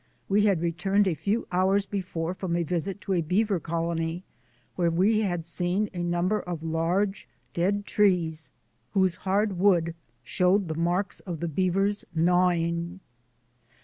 We had returned a few hours be fore from a visit to a beaver colony, where we had seen a number of large, dead trees whose hard wood showed the marks of the beavers' gnawing.